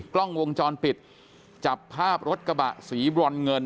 กล้องวงจรปิดจับภาพรถกระบะสีบรอนเงิน